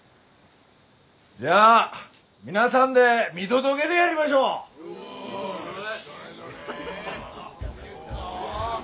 じゃあ皆さんで見届げてやりましょう！よし！